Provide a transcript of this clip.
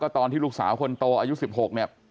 ตอนที่ลูกสาวคนโตอายุ๑๖เนี่ย